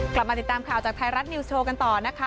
กลับมาติดตามข่าวจากไทยรัฐนิวส์โชว์กันต่อนะคะ